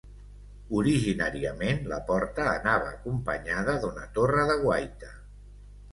Originàriament la porta anava acompanyada d'una torre de guaita.